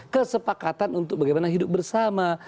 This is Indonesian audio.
kesepakatan untuk bagaimana hidup bersama